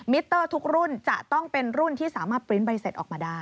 เตอร์ทุกรุ่นจะต้องเป็นรุ่นที่สามารถปริ้นต์ใบเสร็จออกมาได้